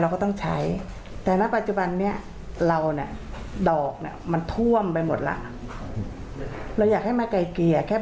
จะจ่ายแต่ในการจ่ายเราก็อยากจะจ่ายแบบ